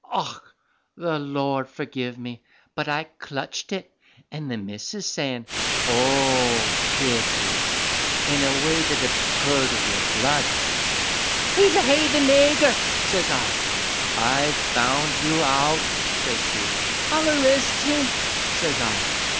Och, the Lord forgive me, but I clutched it, and the missus sayin', "O Kitty!" in a way that 'ud curdle your blood. "He's a haythin nager," says I. "I've found you out," says she. "I'll arrist him," says I.